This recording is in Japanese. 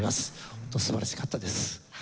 本当に素晴らしかったです。